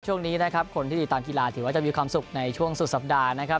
ช่วงนี้นะครับคนที่ติดตามกีฬาถือว่าจะมีความสุขในช่วงสุดสัปดาห์นะครับ